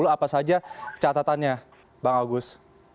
apa saja catatannya bang agus